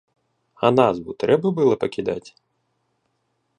А назву трэба было пакідаць?